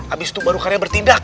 abis itu baru karya bertindak